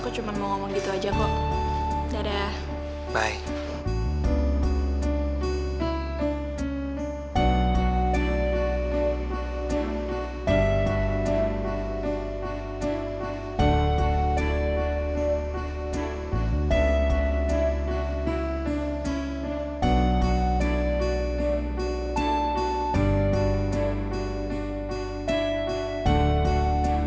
sampai selama kukarefa ya